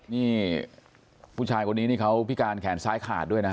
นี่ผู้ชายคนนี้นี่เขาพิการแขนซ้ายขาดด้วยนะ